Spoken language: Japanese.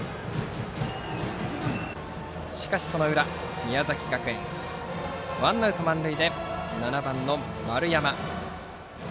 しかしその裏、宮崎学園ワンアウト満塁で７番の丸山。